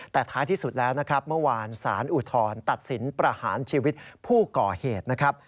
แต่ท้ายที่สุดแล้วเมื่อวานสารอุทธรรมตัดสินประหารชีวิตผู้ก่อเหตุ